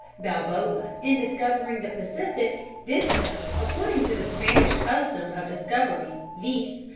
Balboa, in discovering the Pacific, did so according to the Spanish custom of discovery, viz.